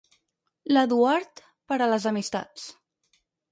L'Eduard per a les amistats.